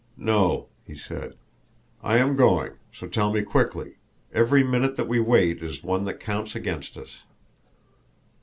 "No," he said. "I am going so tell me quickly. Every minute that we wait is one that counts against us."